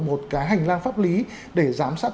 một cái hành lang pháp lý để giám sát